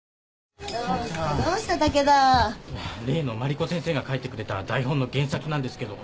例の万理子先生が書いてくれた台本の原作なんですけど。